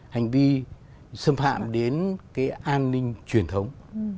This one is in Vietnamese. hành vi xâm phạm đến cái an ninh truyền thống